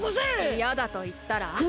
いやだといったら？